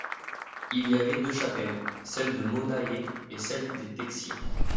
Au il y avait deux chapelles, celle des Maunayer et celle des Texier.